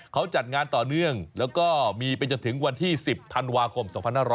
เขาจัดงานต่อเนื่องแล้วก็มีไปจนถึงวันที่๑๐ธันวาคม๒๕๖๐